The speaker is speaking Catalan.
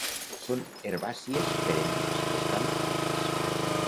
Són herbàcies perennes que es fan altes.